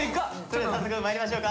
早速まいりましょうか。